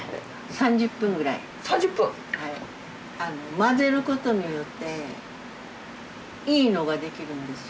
混ぜることによっていいのができるんですよ。